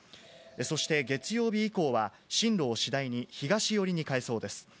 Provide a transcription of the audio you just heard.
そして月曜日以降は、進路を次第に東寄りに変えそうです。